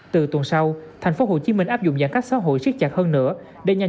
từ tuần sau thành phố hồ chí minh áp dụng giãn cách xã hội siết chặt hơn nữa để nhanh